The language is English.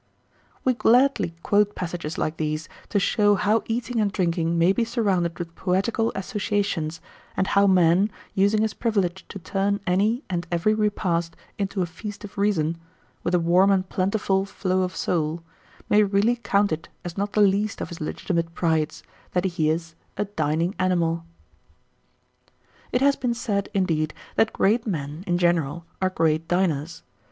We gladly quote passages like these, to show how eating and drinking may be surrounded with poetical associations, and how man, using his privilege to turn any and every repast into a "feast of reason," with a warm and plentiful "flow of soul," may really count it as not the least of his legitimate prides, that he is "a dining animal." 1882. It has been said, indeed, that great men, in general, are great diners.